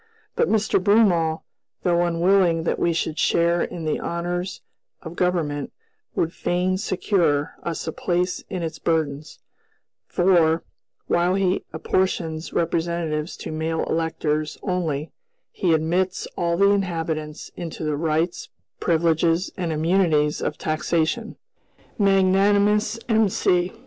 But Mr. Broomall, though unwilling that we should share in the honors of government, would fain secure us a place in its burdens; for, while he apportions representatives to "male electors" only, he admits "all the inhabitants" into the rights, privileges, and immunities of taxation. Magnanimous M.C.!